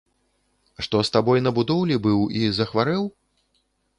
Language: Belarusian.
Што з табой на будоўлі быў і захварэў?